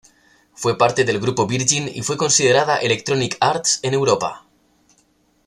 Fue parte del grupo Virgin y fue considerada "Electronic Arts" en Europa.